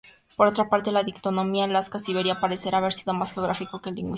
Por otra parte, la dicotomía Alaska-Siberia parece haber sido más geográfica que lingüística.